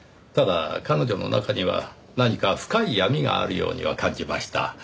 ただ彼女の中には何か深い闇があるようには感じました。